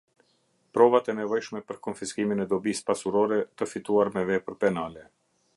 Provat e nevojshme për konfiskimin e dobisë pasurore, të fituar me vepër penale.